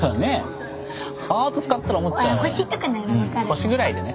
星ぐらいでね